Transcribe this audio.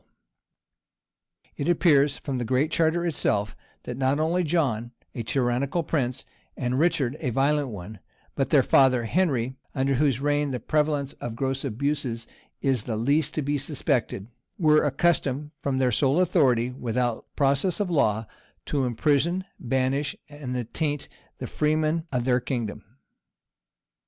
] It appears from the Great Charter itself, that not only John, a tyrannical prince, and Richard, a violent one, but their father, Henry, under whose reign the prevalence of gross abuses is the least to be suspected, were accustomed, from their sole authority, without process of law, to imprison, banish, and attaint the freemen of their kingdom.